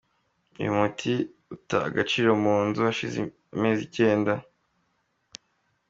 Uyu muti uta agaciro mu nzu hashize amezi icyenda.